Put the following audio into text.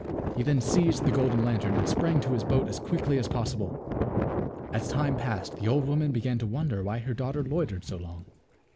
He then seized the golden lantern and sprang to his boat as quickly as possible. As time passed the old woman began to won der why her daughter loitered so long.